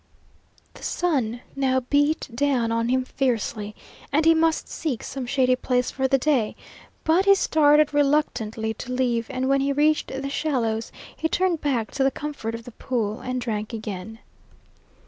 The sun now beat down on him fiercely, and he must seek some shady place for the day, but he started reluctantly to leave, and when he reached the shallows, he turned back to the comfort of the pool and drank again.